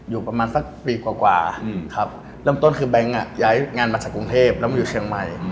อยู่ประมาณสักปีกว่าครับเริ่มต้นคือแบงค์ย้ายงานมาจากกรุงเทพแล้วมาอยู่เชียงใหม่